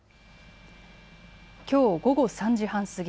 きょう午後３時半過ぎ